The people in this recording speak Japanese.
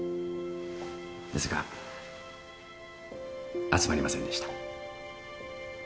ですが集まりませんでした。